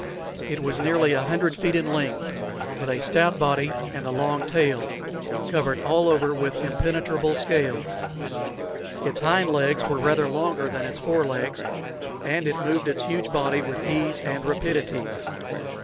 It was nearly a hundred feet in length, with a stout body and a long tail, covered all over with impenetrable scales. It hind legs were rather longer than its fore legs, and it moved its huge body with ease and rapidity.